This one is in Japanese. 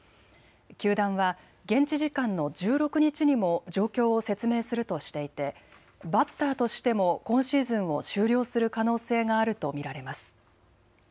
球団は現地時間の１６日にも状況を説明するとしていてバッターとしても今シーズンを終了する可能性があると見られます。